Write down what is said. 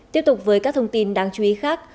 tiếp tục với các thông tin đáng chú ý khác